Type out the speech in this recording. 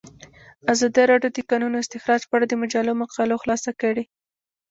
ازادي راډیو د د کانونو استخراج په اړه د مجلو مقالو خلاصه کړې.